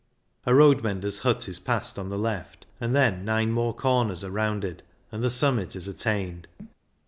A road menders' hut is passed on the left, and then nine more corners are rounded, and the summit is attained.